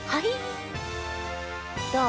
どう？